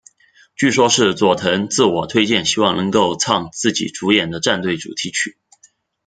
据说是佐藤自我推荐希望能够唱自己主演的战队主题曲。